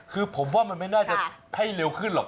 คือผมว่ามันไม่น่าจะให้เร็วขึ้นหรอก